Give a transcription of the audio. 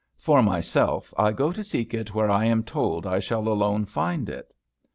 For myself, I go to seek it where I am told I shall alone find it."